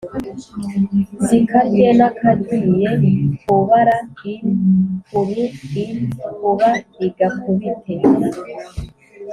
zikarye n'akag iy e ku bara in ku ru in ku ba ig akubite